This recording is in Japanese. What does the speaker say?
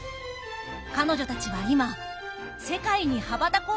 彼女たちは今世界に羽ばたこうとしています。